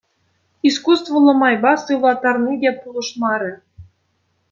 Искусствӑллӑ майпа сывлаттарни те пулӑшмарӗ.